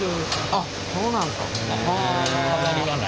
あっそうなんですか。